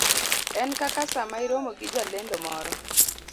en kaka sama iromo gi jalendo moro